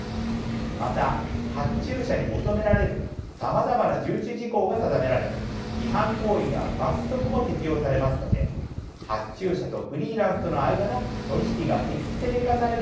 また発注者に求められるさまざまな順守事項が定められ違反行為には罰則も適用されますので発注者とフリーランスとの間の取り引きが適正化されることが期待されます。